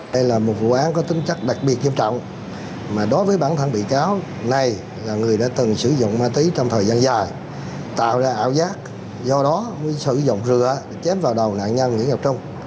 đây là một vụ án có tính chất đặc biệt nghiêm trọng mà đối với bản thân bị cáo này là người đã từng sử dụng ma túy trong thời gian dài tạo ra ảo giác do đó mới sử dụng rượu chém vào đầu nạn nhân nguyễn ngọc trung